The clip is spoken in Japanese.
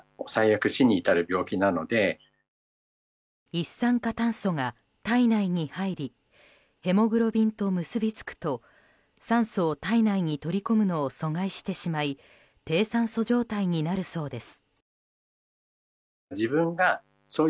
一酸化炭素が体内に入りヘモグロビンと結びつくと酸素を体内に取り込むのを阻害してしまい低酸素状態になるそうです。